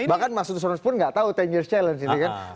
bahkan mas susunus pun tidak tahu sepuluh years challenge